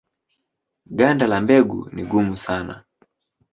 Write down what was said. Ganda la mbegu ni gumu sana.